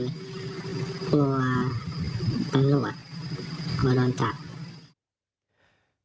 ตัวลองจับ